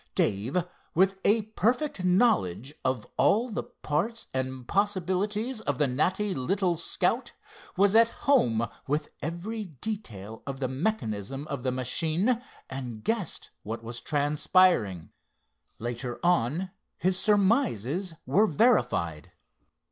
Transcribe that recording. Dave, with a perfect knowledge of all the parts and possibilities of the natty little Scout, was at home with every detail of the mechanism of the machine, and guessed what was transpiring. Later on his surmises were verified.